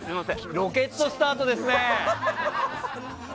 ロケットスタートですね。